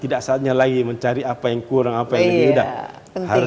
tidak saatnya lagi mencari apa yang kurang apa yang lebih mudah